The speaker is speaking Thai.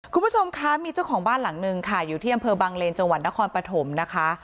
คุณผู้ชมคะมีเจ้าของบ้านหลังนึงค่ะอยู่ที่อำเภอบังเลนจังหวัดนครปฐมนะคะ